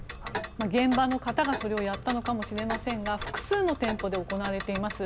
現場の方がそれをやったのかもしれませんが複数の店舗で行われています。